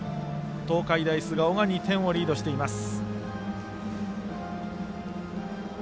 東海大菅生が２点リードしています。